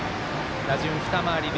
打順２回り目。